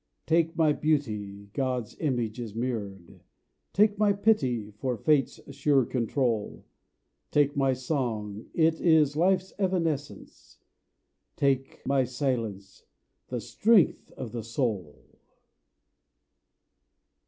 Take my beauty God's image is mirrored, Take my pity for Fate's sure control, Take my song, it is Life's evanescence, Take my silence, the strength of the Soul